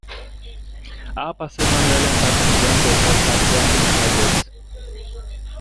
Al Pacino and Ellen Barkin joined the cast as their new targets.